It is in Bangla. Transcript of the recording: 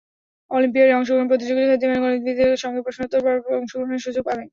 অলিম্পিয়াডে অংশগ্রহণকারী প্রতিযোগীরা খ্যাতিমান গণিতবিদদের সঙ্গে প্রশ্নোত্তর পর্বে অংশগ্রহণের সুযোগ পাবেন।